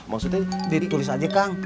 maksudnya dia ditulis aja kang